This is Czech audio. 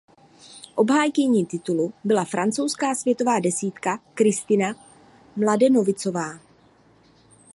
Obhájkyní titulu byla francouzská světová desítka Kristina Mladenovicová.